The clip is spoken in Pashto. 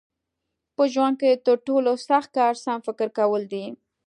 په ژوند کې تر ټولو سخت کار سم فکر کول دي.